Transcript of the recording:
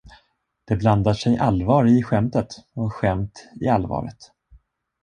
Det blandar sig allvar i skämtet och skämt i allvaret.